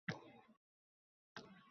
onamday erkalab shivirlar